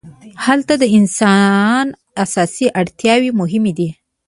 هلته د انسان اساسي اړتیاوې مهمې دي.